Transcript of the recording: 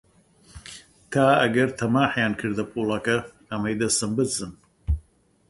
تا ئەگەر تەماحیان کردە پووڵەکە، ئەمەی دەستم بدزن